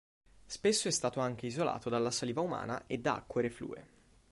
Spesso è stato anche isolato dalla saliva umana e da acque reflue.